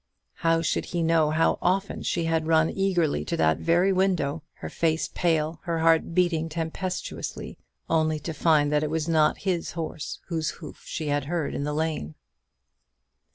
How should he know how often she had run eagerly to that very window her face pale, her heart beating tempestuously only to find that it was not his horse whose hoof she had heard in the lane?